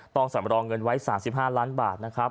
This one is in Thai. สำรองเงินไว้๓๕ล้านบาทนะครับ